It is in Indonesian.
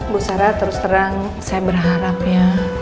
bu sarah terus terang saya berharap ya